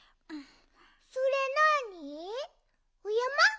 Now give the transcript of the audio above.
それなに？おやま？